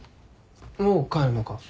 もう帰るのか？